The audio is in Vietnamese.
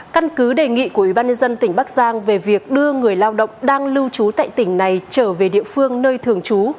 căn cứ đề nghị của ủy ban nhân dân tỉnh bắc giang về việc đưa người lao động đang lưu trú tại tỉnh này trở về địa phương nơi thường trú